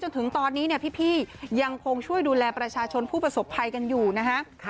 ถึงตอนนี้เนี่ยพี่ยังคงช่วยดูแลประชาชนผู้ประสบภัยกันอยู่นะฮะ